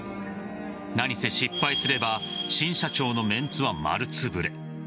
何せ失敗すれば新社長のメンツは丸つぶれ。